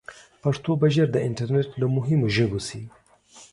پښتو به ژر د انټرنیټ له مهمو ژبو شي.